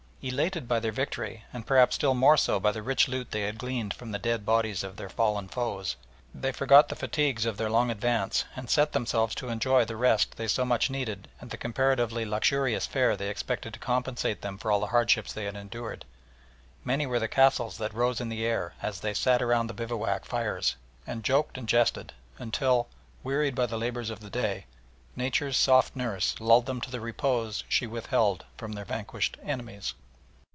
Elated by their victory, and perhaps still more so by the rich loot they had gleaned from the dead bodies of their fallen foes, they forgot the fatigues of their long advance, and set themselves to enjoy the rest they so much needed and the comparatively luxurious fare they expected to compensate them for all the hardships they had endured. Many were the castles that rose in the air as they sat around the bivouac fires, and joked and jested until, wearied by the labours of the day, "Nature's soft nurse" lulled them to the repose she withheld from their vanquished enemies.